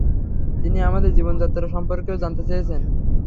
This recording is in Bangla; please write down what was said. তিনি আমাদের জীবনযাত্রা সম্পর্কেও জানতে চেয়েছেন।